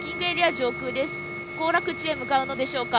上空で行楽地へ向かうのでしょうか。